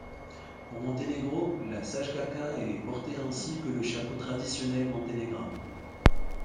Au Monténégro, la šajkača est portée ainsi que le chapeau traditionnel monténégrin.